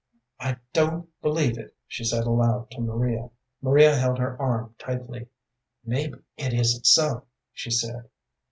"I don't believe it," she said aloud to Maria. Maria held her arm tightly. "Maybe it isn't so," she said.